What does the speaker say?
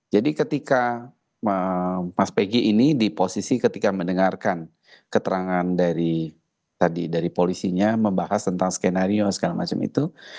jadi ketika mas peggy ini di posisi ketika mendengarkan keterangan dari polisinya membahas tentang skenario dan segala macam itu